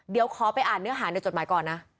เดี๋ยวขอไปอ่านเนื้อหาในจดหมายก่อนนะ